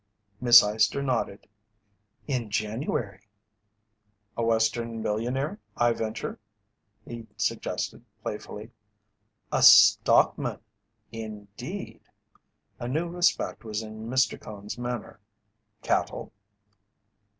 Miss Eyester nodded. "In January." "A Western millionaire, I venture?" he suggested playfully. "A stockman." "Indeed?" A new respect was in Mr. Cone's manner. "Cattle?"